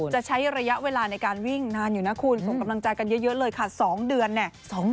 จะใช้ระยะเวลาในการวิ่งนานอยู่นะคุณส่งกำลังใจกันเยอะเลยค่ะ๒เดือนเนี่ย